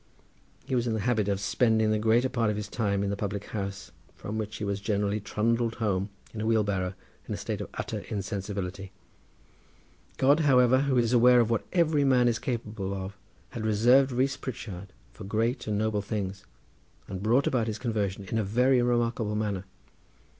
He was in the habit of spending the greater part of his time in the public house, from which he was generally trundled home in a wheelbarrow in a state of utter insensibility. God, however, who is aware of what every man is capable of, had reserved Rees Pritchard for great and noble things, and brought about his conversion in a very remarkable manner.